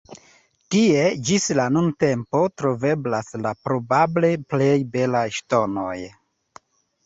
Tie ĝis la nuntempo troveblas la probable plej belaj ŝtonoj.